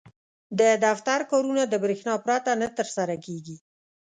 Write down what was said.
• د دفتر کارونه د برېښنا پرته نه ترسره کېږي.